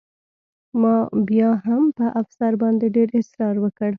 ما بیا هم په افسر باندې ډېر اسرار وکړ